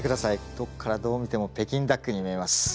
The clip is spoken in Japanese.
どっからどう見ても北京ダックに見えます。